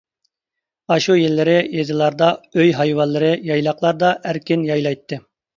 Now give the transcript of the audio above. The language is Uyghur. ئاشۇ يىللىرى يېزىلاردا ئۆي ھايۋانلىرى يايلاقلاردا ئەركىن يايلايتتى.